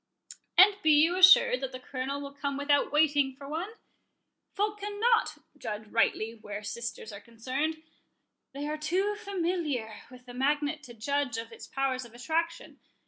"And be you assured that the Colonel will come without waiting for one," said Charles. "Folk cannot judge rightly where sisters are concerned—they are too familiar with the magnet to judge of its powers of attraction.